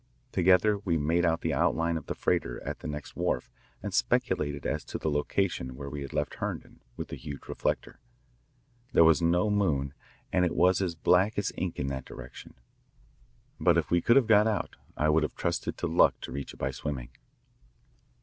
Together we made out the outline of the freighter at the next wharf and speculated as to the location where we had left Herndon with the huge reflector. There was no moon and it was as black as ink in that direction, but if we could have got out I would have trusted to luck to reach it by swimming.